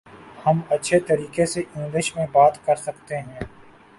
ہم اچھے طریقے سے انگلش میں بات کر سکتے ہیں